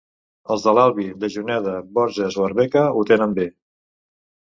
Els de l'Albi, de Juneda, Borges o Arbeca ho tenen bé.